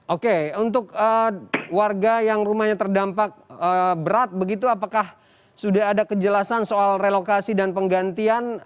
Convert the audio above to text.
oke untuk warga yang rumahnya terdampak berat begitu apakah sudah ada kejelasan soal relokasi dan penggantian